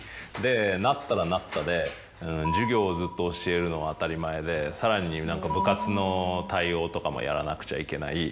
なったらなったで授業をずっと教えるのは当たり前でさらに何か部活の対応とかもやらなくちゃいけない。